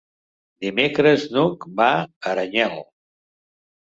Dimecres n'Hug va a Aranyel.